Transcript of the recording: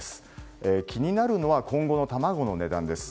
気になるのは今後の卵の値段です。